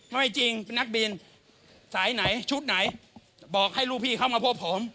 ไม่จริงเป็นนักบินสายไหนชุดไหนบอกให้ลูกพี่เข้ามาพบผม